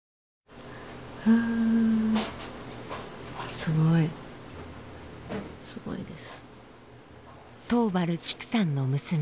すごいすごいです。